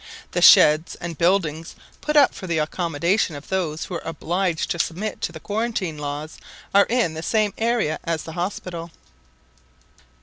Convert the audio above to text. The sheds and buildings put up for the accommodation of those who are obliged to submit to the quarantine laws, are in the same area as the hospital.